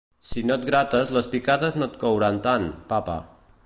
Si no et grates les picades no et couran tant, papa.